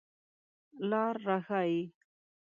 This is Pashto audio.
لار را ښایئ